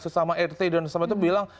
sesama rt dan sesama itu bilang